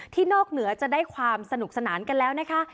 นอกเหนือจะได้ความสนุกสนานกันแล้วนะคะ